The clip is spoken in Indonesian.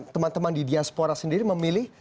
teman teman di diaspora sendiri memilih